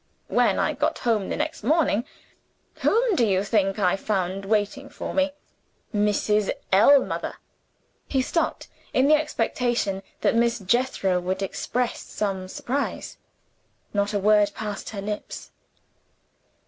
When I got home the next morning, whom do you think I found waiting for me? Mrs. Ellmother!" He stopped in the expectation that Miss Jethro would express some surprise. Not a word passed her lips.